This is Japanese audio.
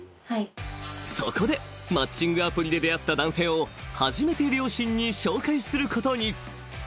［そこでマッチングアプリで出会った男性を初めて両親に紹介することに］